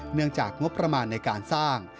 เนื่องจากงบประมาณในการสร้าง